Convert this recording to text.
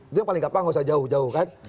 itu yang paling kapan gak usah jauh jauh kan